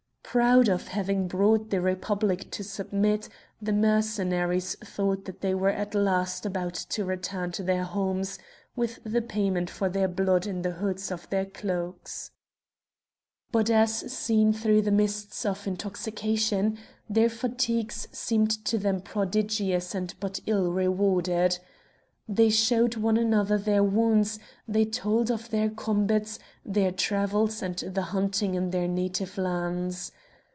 Proud of having brought the Republic to submit, the Mercenaries thought that they were at last about to return to their homes with the payment for their blood in the hoods of their cloaks. But as seen through the mists of intoxication, their fatigues seemed to them prodigious and but ill rewarded. They showed one another their wounds, they told of their combats, their travels and the hunting in their native lands.